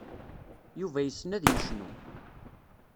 Yuba yessen ad yecnu.